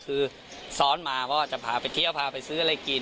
คือซ้อนมาว่าจะพาไปเที่ยวพาไปซื้ออะไรกิน